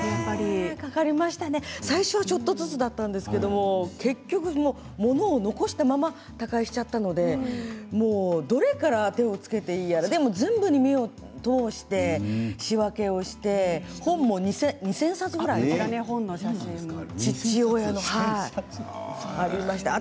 かかりましたね、最初はちょっとずつだったんですけれど結局、物を残したまま他界してしまったのでどれから手をつけていいやらでも全部に目を通して仕分けをして本も２０００冊ぐらいあったんです、父親のね。